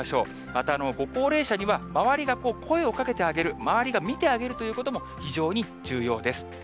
また、ご高齢者には、周りが声をかけてあげる、周りが見てあげるということも非常に重要です。